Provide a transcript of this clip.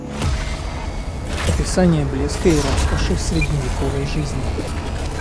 Описание блеска и роскоши средневековой жизни